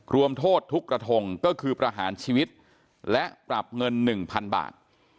รวมโทษทุกกระทงก็คือประหารชีวิตและปรับเงิน๑๐๐๐บาท